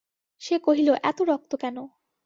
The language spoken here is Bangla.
সে কহিল, এত রক্ত কেন!